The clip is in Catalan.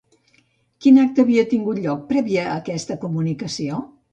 Quin acte havia tingut lloc previ a aquesta comunicació?